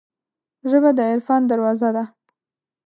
ژبه د عرفان دروازه ده